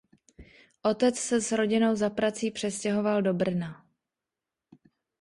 Otec se s rodinou za prací přestěhoval do Brna.